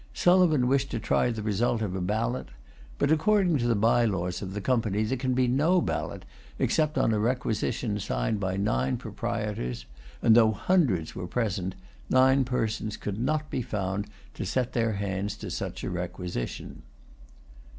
Sulivan wished to try the result of a ballot. But, according to the bye laws of the Company, there can be no ballot except on a requisition signed by nine proprietors; and, though hundreds were present, nine persons could not be found to set their hands to such a requisition.